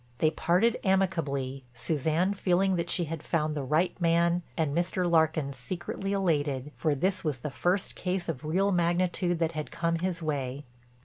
They parted amicably, Suzanne feeling that she had found the right man and Mr. Larkin secretly elated, for this was the first case of real magnitude that had come his way.